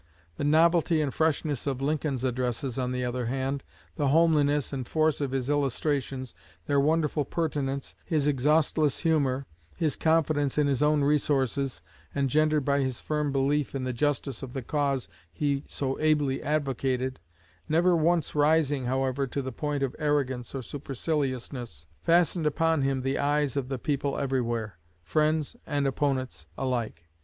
The novelty and freshness of Lincoln's addresses, on the other hand, the homeliness and force of his illustrations, their wonderful pertinence, his exhaustless humor, his confidence in his own resources, engendered by his firm belief in the justice of the cause he so ably advocated, never once rising, however, to the point of arrogance or superciliousness, fastened upon him the eyes of the people everywhere, friends and opponents alike.